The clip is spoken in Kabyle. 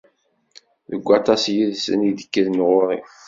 Deg waṭas yid-sen i d-kkren ɣur-i.